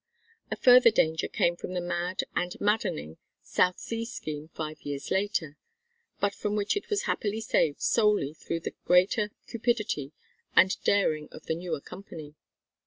A further danger came from the mad and maddening South Sea Scheme five years later; but from which it was happily saved solely through the greater cupidity and daring of the newer company.